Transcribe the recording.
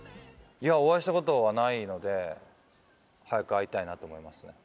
お会いしたことはないので早く会いたいなと思いますね。